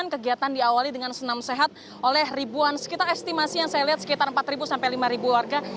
kegiatan diawali dengan senam sehat oleh ribuan sekitar estimasi yang saya lihat sekitar empat sampai lima warga